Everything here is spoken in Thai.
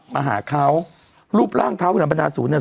มาหาเขารูปร่างเท้าวิรัมปนาศูนเนี่ย